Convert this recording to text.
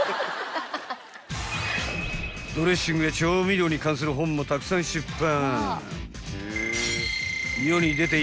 ［ドレッシングや調味料に関する本もたくさん出版］